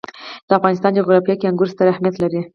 د افغانستان جغرافیه کې انګور ستر اهمیت لري.